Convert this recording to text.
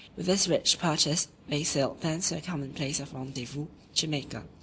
With this rich purchase they sailed thence to their common place of rendezvous, Jamaica.